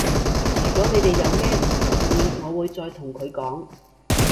如果你哋有咩唔滿意我會再同佢講